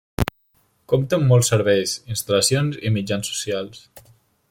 Compta amb molts serveis, instal·lacions i mitjans socials.